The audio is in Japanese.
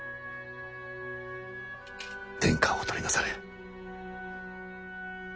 天下をお取りなされ。